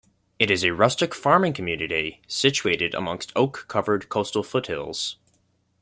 It is a rustic farming community situated amongst oak covered coastal foothills.